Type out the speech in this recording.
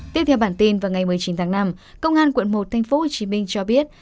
tiếp theo bản tin vào ngày một mươi chín tháng năm công an quận một tp hcm cho biết